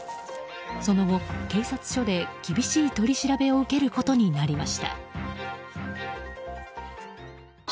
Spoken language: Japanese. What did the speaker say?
その後警察署で厳しい取り調べを受けることになりました。